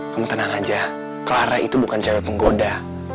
kamu tenang aja clara itu bukan cewek penggoda